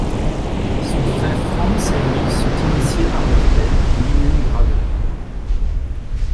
Son frère Franz et lui sont initiés par leur père, lui-même graveur.